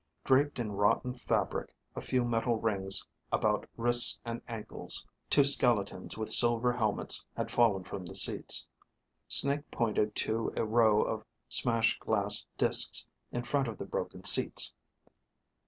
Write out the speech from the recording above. Draped in rotten fabric, a few metal rings about wrists and ankles, two skeletons with silver helmets had fallen from the seats. Snake pointed to a row of smashed glass disks in front of the broken seats.